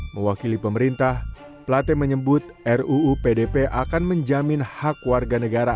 mewakili pemerintah plate menyebut ruu pdp akan menjamin hak warga negara